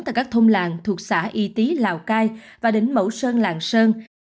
tại các thông làng thuộc xã y tý lào cai và đỉnh mẫu sơn làng sơn